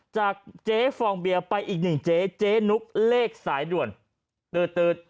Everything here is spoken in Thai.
จากเจ๊ฟองเบียร์ไปอีกหนึ่งเจ๊เจ๊นุ๊กเลขสายด่วนตื๊ด